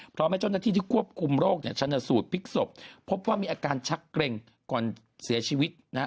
พร้อมให้เจ้าหน้าที่ที่ควบคุมโรคเนี่ยชันสูตรพลิกศพพบว่ามีอาการชักเกร็งก่อนเสียชีวิตนะฮะ